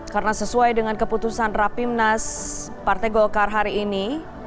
karena sesuai dengan keputusan rapimnas partai golkar hari ini